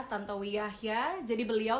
tanto wiyahya jadi beliau